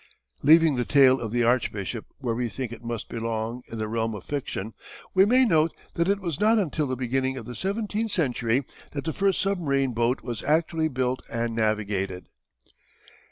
Leaving the tale of the Archbishop where we think it must belong in the realm of fiction, we may note that it was not until the beginning of the seventeenth century that the first submarine boat was actually built and navigated.